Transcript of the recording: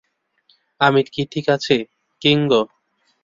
আমি ঠিক আছি, কিঙ্গো।